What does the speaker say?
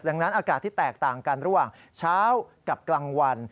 ดังนั้นอากาศที่แตกต่างกันระหว่างเช้ากับกลางวัน